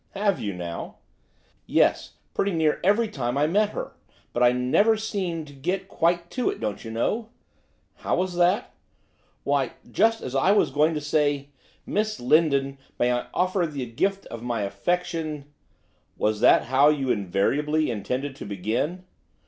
'Have you now?' 'Yes, pretty near every time I met her, but I never seemed to get quite to it, don't you know.' 'How was that?' 'Why, just as I was going to say, "Miss Lindon, may I offer you the gift of my affection "' 'Was that how you invariably intended to begin?